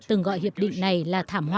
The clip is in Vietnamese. từng gọi hiệp định này là thảm họa